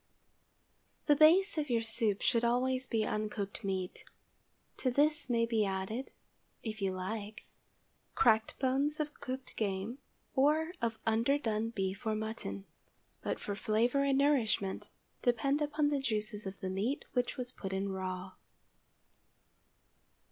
THE base of your soup should always be uncooked meat. To this may be added, if you like, cracked bones of cooked game, or of underdone beef or mutton; but for flavor and nourishment, depend upon the juices of the meat which was put in raw.